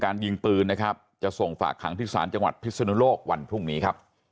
ก็ไม่รู้ก็ประมาณนั้นก็ไม่รู้อีก